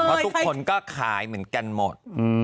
เพราะทุกคนก็ขายเหมือนกันหมด